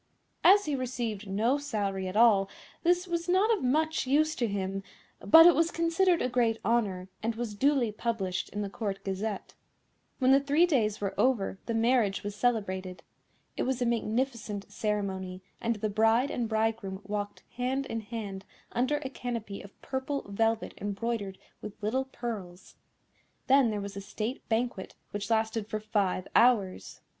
As he received no salary at all this was not of much use to him, but it was considered a great honour, and was duly published in the Court Gazette. When the three days were over the marriage was celebrated. It was a magnificent ceremony, and the bride and bridegroom walked hand in hand under a canopy of purple velvet embroidered with little pearls. Then there was a State Banquet, which lasted for five hours.